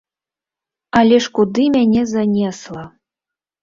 Але ж куды мяне занесла!